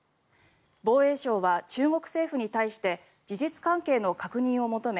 防衛省は、中国政府に対して事実関係の確認を求め